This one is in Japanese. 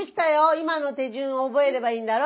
今の手順を覚えればいいんだろ？